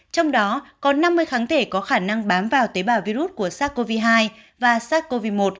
trong đó có năm mươi kháng thể có khả năng bám vào tế bào virus của sars cov hai và sars cov hai